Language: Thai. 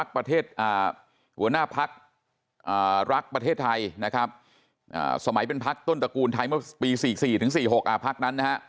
ประเทศหัวหน้าพักรักประเทศไทยนะครับสมัยเป็นพักต้นตระกูลไทยเมื่อปี๔๔ถึง๔๖พักนั้นนะฮะ